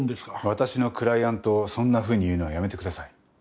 私のクライアントをそんなふうに言うのはやめてください。